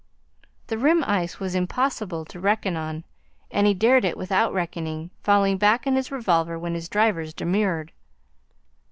The rim ice was impossible to reckon on, and he dared it without reckoning, falling back on his revolver when his drivers demurred.